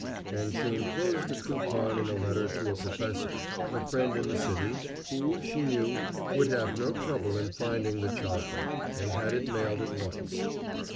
And she inclosed a coupon in a letter to a professor, a friend in the city, who, she knew, would have no trouble in finding the child, and had it mailed at once.